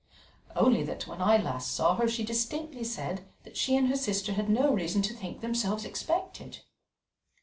"Only that when I last saw her she distinctly said that she and her sister had no reason to think themselves expected."